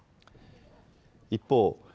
一方、